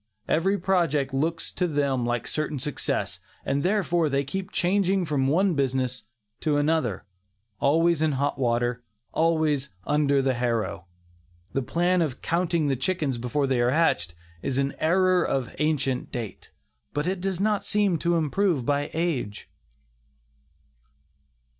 Every project looks to them like certain success, and therefore they keep changing from one business to another, always in hot water, always "under the harrow." The plan of "counting the chickens before they are hatched" is an error of ancient date, but it does not seem to improve by age.